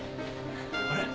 あれ？